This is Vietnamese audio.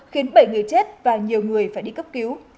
khiến bảy người chết và nhiều người phải đi cấp cứu